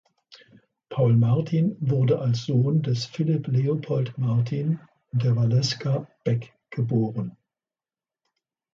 Paul Martin wurde als Sohn des Philipp Leopold Martin und der Valeska Beck geboren.